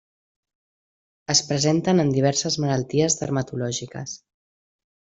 Es presenten en diverses malalties dermatològiques.